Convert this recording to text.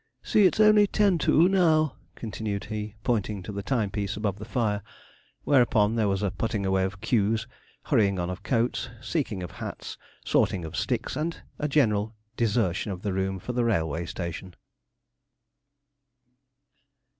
See, it's only ten to, now,' continued he, pointing to the timepiece above the fire; whereupon there was a putting away of cues, hurrying on of coats, seeking of hats, sorting of sticks, and a general desertion of the room for the railway station.